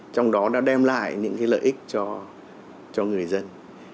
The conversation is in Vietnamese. trong đó nó đem lại những lợi ích cho người dân